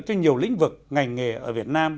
cho nhiều lĩnh vực ngành nghề ở việt nam